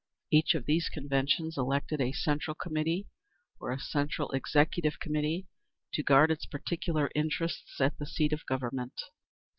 Each of these conventions elected a Central Committee, or a Central Executive Committee, to guard its particular interests at the seat of Government.